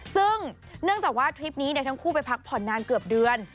ซึ่งเนื่องจากว่าทริปนี้ทั้งคู่ไปพักผ่อนนานเกือบเดือน